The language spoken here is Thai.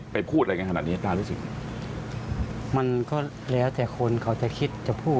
ไปพูดอะไรยังขนาดนี้